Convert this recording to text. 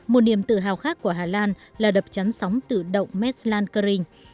một niềm tự hào khác của hà lan là đập chắn sóng tự động meslancaring